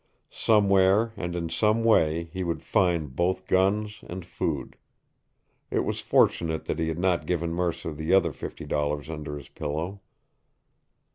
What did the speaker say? Somewhere and in some way he would find both guns and food. It was fortunate that he had not given Mercer the other fifty dollars under his pillow.